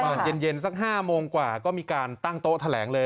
เย็นสัก๕โมงกว่าก็มีการตั้งโต๊ะแถลงเลย